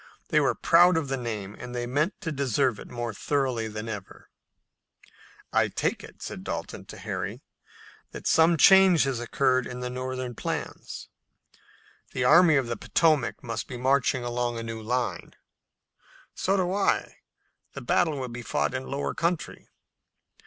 They were proud of the name, and they meant to deserve it more thoroughly than ever. "I take it," said Dalton to Harry, "that some change has occurred in the Northern plans. The Army of the Potomac must be marching along in a new line." "So do I. The battle will be fought in lower country."